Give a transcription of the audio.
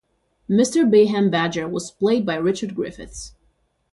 Mr Bayham Badger was played by Richard Griffiths.